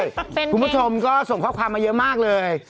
คุณผู้ชมก็ส่งข้อความมาเยอะมากเลย